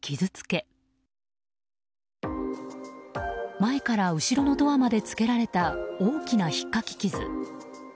前から後ろのドアまでつけられた、大きなひっかき傷。